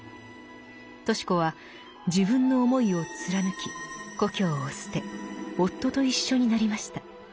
とし子は自分の思いを貫き故郷を捨て夫と一緒になりました。